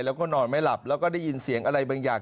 แล้วก็นอนไม่หลับแล้วก็ได้ยินเสียงอะไรบางอย่าง